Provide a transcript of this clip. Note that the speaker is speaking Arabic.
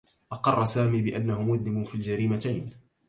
أقرّ سامي بأنّه مذنب في الجريمتين.